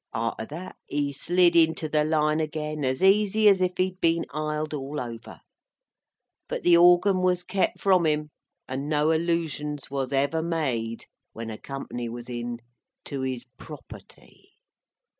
Arter that, he slid into the line again as easy as if he had been iled all over. But the organ was kep from him, and no allusions was ever made, when a company was in, to his property.